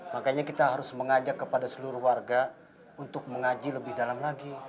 makanya kita harus mengajak kepada seluruh warga untuk mengaji lebih dalam lagi